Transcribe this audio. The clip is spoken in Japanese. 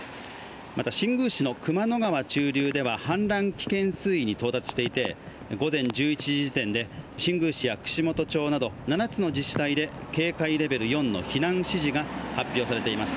また新宮市の熊野川中流では氾濫危険水位に到達していて午前１１時時点で新宮市や串本町など７つの自治体で警戒レベル４の避難指示が発表されています